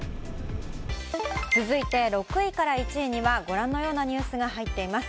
続いて６位から１位にはご覧のようなニュースが入っています。